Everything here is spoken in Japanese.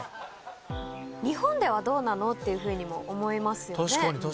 日本ではどうなの？っていうふうにも思いますよね。